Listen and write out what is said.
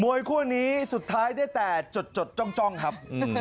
มวยพวกนี้สุดท้ายได้แต่จดจดจ้องครับนะครับ